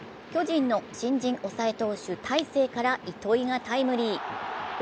巨人の新人抑え投手・大勢から糸井がタイムリー。